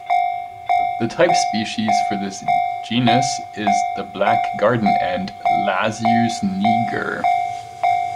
The type species for this genus is the black garden ant, "Lasius niger".